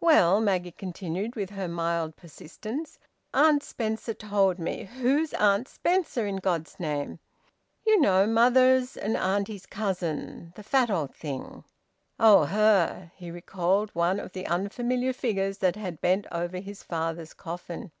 "Well," Maggie continued, with her mild persistence, "Aunt Spenser told me " "Who's Aunt Spenser, in God's name?" "You know mother's and auntie's cousin the fat old thing!" "Oh! Her!" He recalled one of the unfamiliar figures that had bent over his father's coffin.